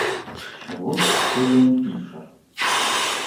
Вось што ён піша!